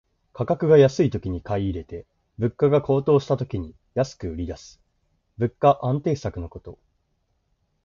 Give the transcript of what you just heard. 価格が安いときに買い入れて、物価が高騰した時に安く売りだす物価安定策のこと。